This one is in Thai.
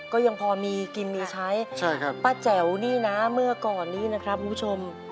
ก็ยังพอมีกินมีใช้ใช่ครับป้าแจ๋วนี่นะเมื่อก่อนนี้นะครับคุณผู้ชม